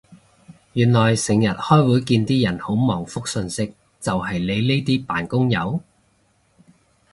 原來成日開會見啲人好忙覆訊息就係你呢啲扮工友